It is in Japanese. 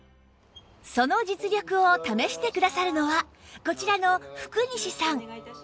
その実力を試してくださるのはこちらの福西さん